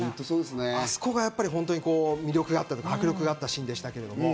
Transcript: あそこがやっぱり魅力があった、迫力があったシーンでした。